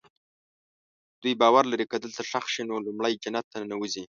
دوی باور لري که دلته ښخ شي نو لومړی جنت ته ننوځي.